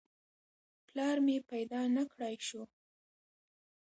پلار مې پیدا نه کړای شو.